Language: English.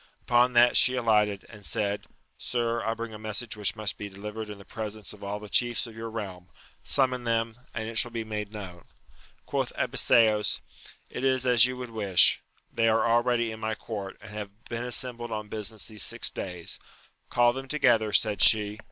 Upon that she alighted, and said, Sir, I bring a message which must be delivered in the presence of all the chiefs of your realm : summon them, and it shall be made known. Quoth Abiseos, it is as you would wish : they are already in my court, and have been assembled on busi ness these six days. Call them together, said she.